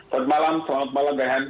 selamat malam selamat malam rehat